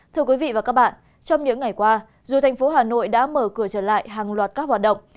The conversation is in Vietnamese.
thưa quý vị và các bạn trong những ngày qua dù thành phố hà nội đã mở cửa trở lại hàng loạt các hoạt động